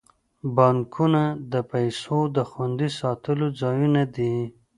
بانکونه د پیسو د خوندي ساتلو ځایونه دي.